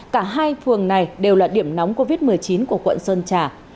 cả hai phường này đều là điểm nóng covid một mươi chín của quận sơn trà